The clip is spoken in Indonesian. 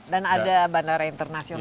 dan ada bandara internasional